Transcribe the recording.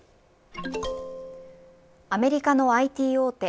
アメリカのＩＴ大手